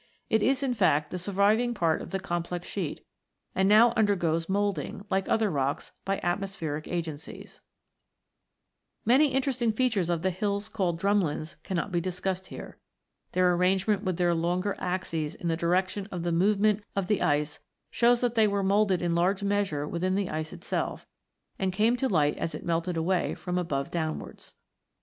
It is, in fact, the surviving part of the complex sheet, and now undergoes moulding, like other rocks, by atmospheric agencies (Fig. 13). Many interesting features of the hills called drumlins cannot be discussed here. Their arrange ment with their longer axes in the direction of the movement of the ice shows that they were moulded in large measure within the ice itself, and came to light as it melted away from above downwards.